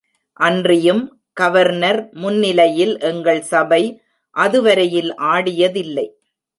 அன்றியும் கவர்னர் முன்னிலையில் எங்கள் சபை அதுவரையில் ஆடியதில்லை.